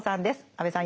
安部さん